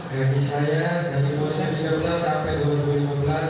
dari saya dari dua ribu tiga belas sampai dua ribu lima belas